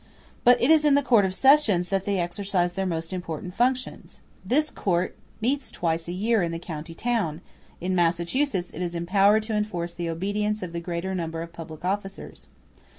But it is in the Court of Sessions that they exercise their most important functions. This court meets twice a year in the county town; in Massachusetts it is empowered to enforce the obedience of the greater number *s of public officers.